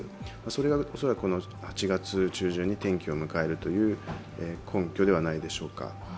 それがおそらく８月中旬に転機を迎えるという根拠ではないでしょうか。